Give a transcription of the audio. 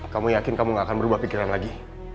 kamu yakin kamu gak akan berubah pikiran lagi